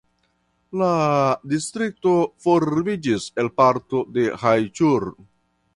La distrikto formiĝis el parto de Rajĉur.